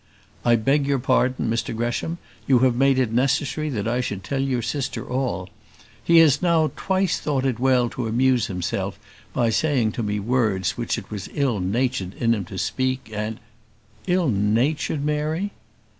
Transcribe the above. "I beg your pardon, Mr Gresham; you have made it necessary that I should tell your sister all. He has now twice thought it well to amuse himself by saying to me words which it was ill natured in him to speak, and " "Ill natured, Mary!"